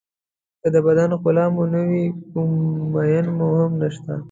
که د بدن ښکلا مو نه وي کوم مېن مو هم نشته.